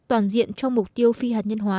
toàn diện cho mục tiêu phi hạt nhân hóa